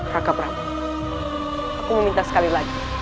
raka prabu aku meminta sekali lagi